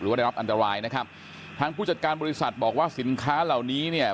ได้รับอันตรายนะครับทางผู้จัดการบริษัทบอกว่าสินค้าเหล่านี้เนี่ย